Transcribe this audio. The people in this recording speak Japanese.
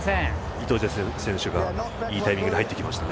イトジェ選手がいいタイミングで入ってきました。